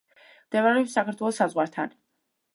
მდებარეობს საქართველოს საზღვართან.